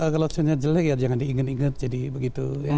kalau xiong nya jelek ya jangan diinget inget jadi begitu ya